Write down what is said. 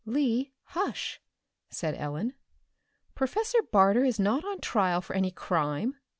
"Lee, hush," said Ellen. "Professor Barter is not on trial for any crime."